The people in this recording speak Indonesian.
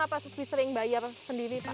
atau lebih sering bayar sendiri pak